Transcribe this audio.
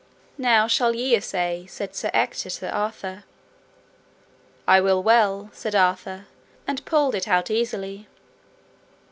Now shall ye assay, said Sir Ector to Arthur. I will well, said Arthur, and pulled it out easily.